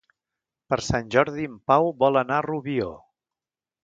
Per Sant Jordi en Pau vol anar a Rubió.